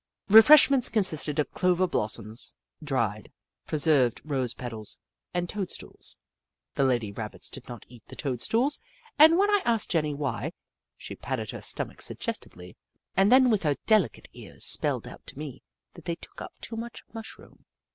Refreshments consisted of clover blossoms, dried, preserved rose petals, and toadstools. The lady Rabbits did not eat the toadstools, and when I asked Jenny why, she patted her Jenny Ragtail 195 stomach suggestively, and then with her deli cate ears spelled out to me that they took up too mushroom.